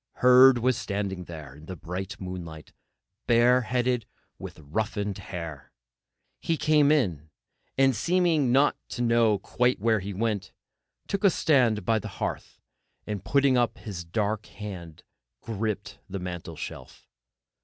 Herd was standing there in the bright moonlight, bareheaded, with roughened hair. He came in, and seeming not to know quite where he went, took stand by the hearth, and putting up his dark hand, gripped the mantelshelf.